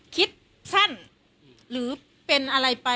กินโทษส่องแล้วอย่างนี้ก็ได้